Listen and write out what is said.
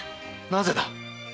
なぜだ？